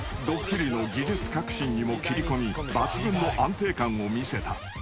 ［ドッキリの技術革新にも切り込み抜群の安定感を見せた］